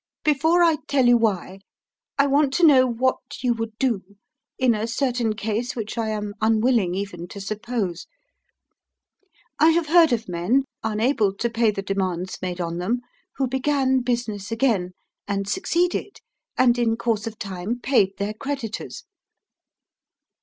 Before I tell you why, I want to know what you would do in a certain case which I am unwilling even to suppose. I have heard of men, unable to pay the demands made on them, who began business again, and succeeded, and in course of time paid their creditors."